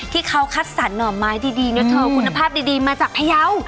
ที่เขาคัดสรรหน่อไม้ดีนะเธอคุณภาพดีมาจากพยาว